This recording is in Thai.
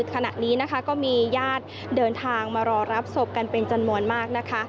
ขณะนี้นะคะก็มีญาติเดินทางมารอรับศพกันเป็นจำนวนมากนะคะ